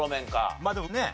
まあでもね